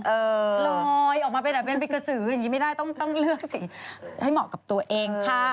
ลอยออกมาเป็นแบบเป็นกระสืออย่างนี้ไม่ได้ต้องเลือกสีให้เหมาะกับตัวเองค่ะ